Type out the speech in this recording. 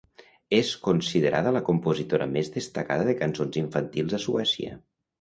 És considerada la compositora més destacada de cançons infantils a Suècia.